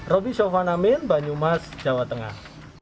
roby sofwan amin banyumas jawa tengah